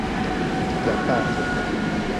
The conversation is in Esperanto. La patro.